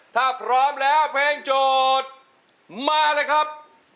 ถ้าพร้อมแล้วเพลงโจทย์มาเลยครับ